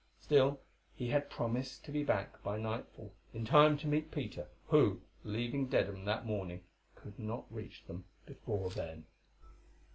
Still, he had promised to be back by nightfall in time to meet Peter who, leaving Dedham that morning, could not reach them before then.